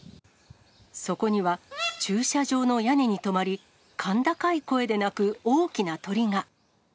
そこには駐車場の屋根に止まり、甲高い声で鳴く大きな鳥が。